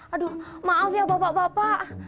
aduh maaf ya bapak bapak